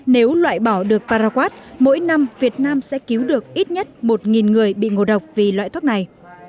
nếu loại bỏ được paraq mỗi năm việt nam sẽ cứu được ít nhất một người bị ngộ độc vì loại thuốc này